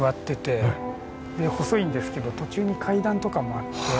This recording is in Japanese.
で細いんですけど途中に階段とかもあって。